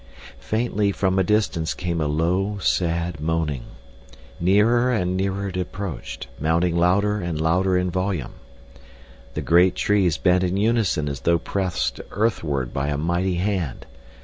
Faintly, from a distance, came a low, sad moaning. Nearer and nearer it approached, mounting louder and louder in volume. The great trees bent in unison as though pressed earthward by a mighty hand.